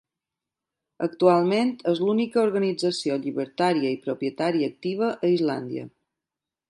Actualment és l'única organització llibertaria i propietària activa a Islàndia.